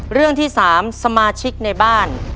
เรื่องที่๓สมาชิกในบ้าน